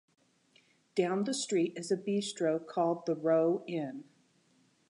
Down the street is a bistro called the Rowe Inn.